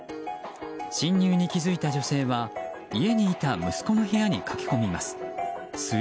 侵入に気付いた女性は家にいた息子の部屋に駆け込みます。